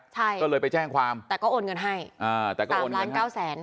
ใช่ก็เลยไปแจ้งความแต่ก็โอนเงินให้อ่าแต่ก็โอนล้านเก้าแสน